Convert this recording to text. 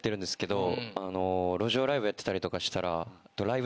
路上ライブやってたりとかしたら。